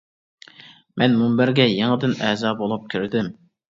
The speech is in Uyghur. مەن مۇنبەرگە يېڭىدىن ئەزا بولۇپ كىردىم.